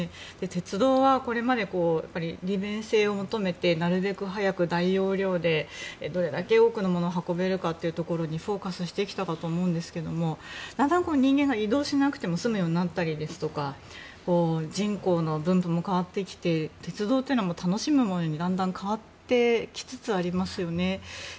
鉄道は、これまで利便性を求めてなるべく早く大容量でどれだけ多くのものを運べるかというところにフォーカスしてきたかと思うんですけどだんだん、人間が移動しなくても済むようになったり人口の分布も変わってきて鉄道って楽しむものにだんだん変わってきつつありますよね。